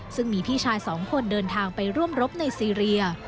ซึ่งมีพี่ชาย๒คนเดินทางไปร่วมรบในซีเรีย